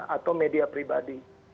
atau media pribadi